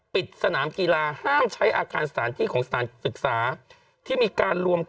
ปิดสนามกีฬาห้ามใช้อาการสถานที่ของสถานศึกษา